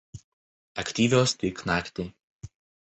Aktyvios tik naktį.